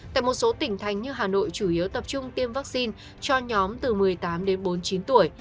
tại một số tỉnh thành như hà nội chủ yếu tập trung tiêm vaccine cho nhóm từ một mươi tám đến bốn mươi chín tuổi